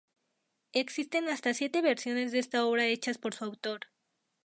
Existen hasta siete versiones de esta obra hechas por su autor.